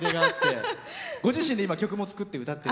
ご自身で曲も作って歌って。